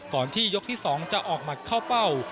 ที่ยกที่๒จะออกหมัดเข้าเป้า